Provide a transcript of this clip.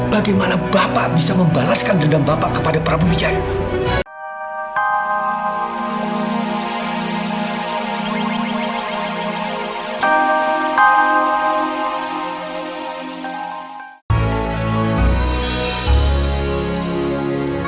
bagaimana bapak bisa membalaskan dendam bapak kepada prabowo wijaya